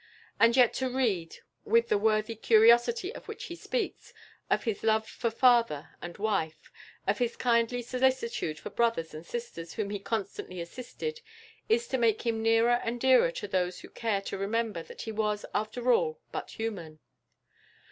And yet to read, with the "worthy curiosity" of which he speaks, of his love for father and wife, and of his kindly solicitude for brothers and sisters, whom he constantly assisted, is to make him nearer and dearer to those who care to remember that he was after all but human.